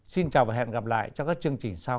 xin chào và hẹn gặp lại trong các chương trình sau